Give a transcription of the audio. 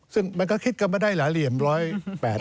ซึ่งมันก็คิดกลัวไม่ได้หลายเหรียญ๑๐๘อ่ะ